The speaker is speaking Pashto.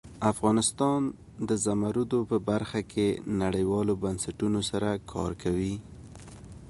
افغانستان د زمرد په برخه کې نړیوالو بنسټونو سره کار کوي.